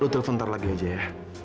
telpon ntar lagi aja ya